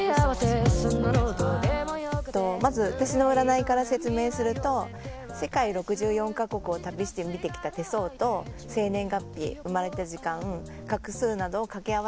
まず私の占いから説明すると世界６４カ国を旅して見てきた手相と生年月日生まれた時間画数などを掛け合わせて見ています。